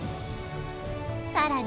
さらに